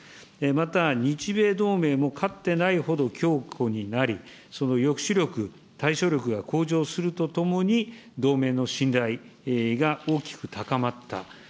また日米同盟も、かつてないほど強固になり、その抑止力、対処力が向上するとともに、同盟の信頼が大きく高まった。